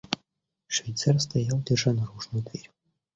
Швейцар стоял, держа наружную дверь.